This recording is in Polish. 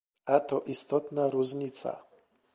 A to istotna różnica